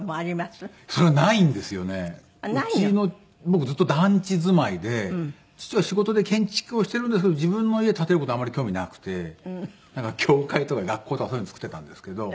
僕ずっと団地住まいで父は仕事で建築をしてるんですけど自分の家建てる事はあんまり興味なくて教会とか学校とかそういうの造ってたんですけど。